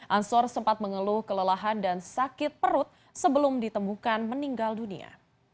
ansor sempat mengeluh kelelahan dan sakit perut sebelum ditemukan meninggal dunia